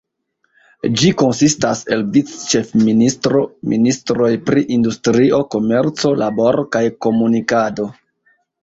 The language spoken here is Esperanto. Ĝi konsistas el vic-ĉefministro, ministroj pri industrio, komerco, laboro kaj komunikado.